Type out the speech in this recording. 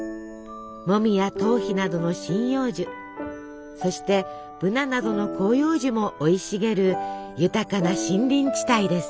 モミやトウヒなどの針葉樹そしてブナなどの広葉樹も生い茂る豊かな森林地帯です。